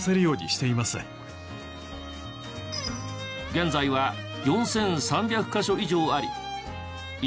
現在は４３００カ所以上あり１